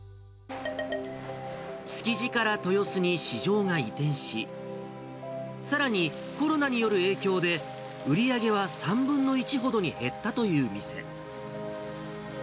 築地から豊洲に市場が移転し、さらにコロナによる影響で売り上げは３分の１ほどに減ったという店。